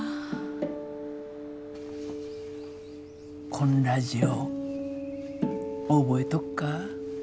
こんラジオ覚えとっか？